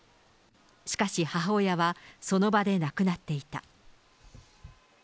しかし、母親はその場で亡くなっていた。